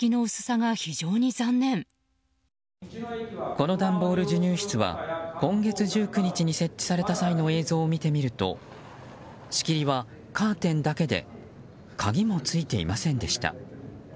この段ボール授乳室は今月１９日に設置された際の映像を見てみると仕切りはカーテンだけで鍵もついていませんでした。